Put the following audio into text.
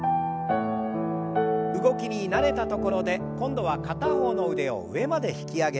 動きに慣れたところで今度は片方の腕を上まで引き上げます。